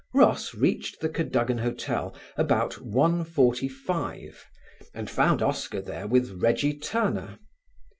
Ross reached the Cadogan Hotel about 1.45 and found Oscar there with Reggie Turner.